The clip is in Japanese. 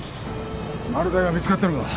マルタイは見つかったのか？